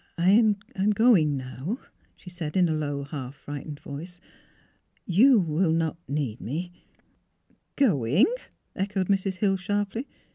" I — am going now," she said, in a low, half frightened voice. " You will not need me "" Going? " echoed Mrs. Hill, sharply.